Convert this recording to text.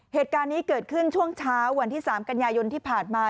เหตุการณ์นี้เกิดขึ้นช่วงเช้าวันที่๓กันยายนที่ผ่านมา